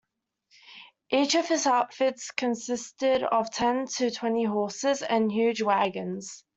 Each of his outfits consisted of ten to twenty horses and huge wagons.